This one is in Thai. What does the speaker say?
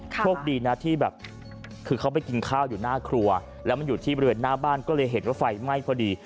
โชคดีนะที่แบบคือเขาไปกินข้าวอยู่หน้าครัวแล้วมันอยู่ที่บริเวณหน้าบ้านก็เลยเห็นว่าไฟไหม้พอดี